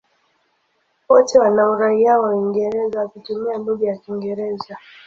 Wote wana uraia wa Uingereza wakitumia lugha ya Kiingereza.